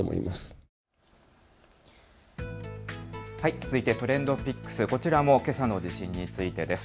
続いてＴｒｅｎｄＰｉｃｋｓ、こちらもけさの地震についてです。